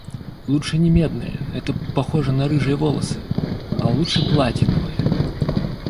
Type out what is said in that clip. Лучше не медные, это похоже на рыжие волосы, а лучше платиновые.